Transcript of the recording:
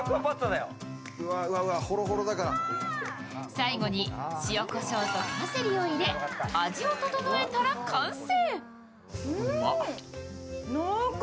最後に塩こしょうとパセリを入れ味を調えたら完成。